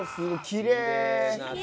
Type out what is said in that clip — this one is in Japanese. きれい！